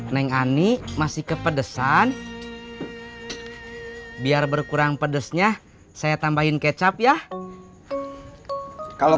neng ani masih kepedesan biar berkurang pedesnya saya tambahin kecap ya kalau